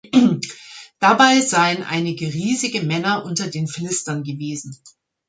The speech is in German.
Dabei seien einige riesige Männer unter den Philistern gewesen.